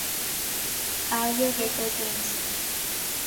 Audio recordings